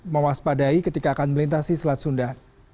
mewaspadai ketika akan melintasi selat sunda